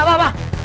pak pak pak